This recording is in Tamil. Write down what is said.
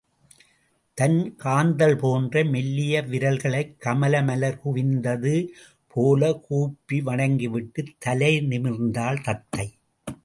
தன் காந்தள் போன்ற மெல்லிய விரல்களைக் கமலமலர் குவிந்தது போலக் கூப்பி வணங்கிவிட்டுத் தலை நிமிர்ந்தாள் தத்தை.